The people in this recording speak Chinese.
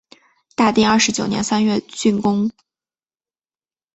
大定二十九年三月竣工。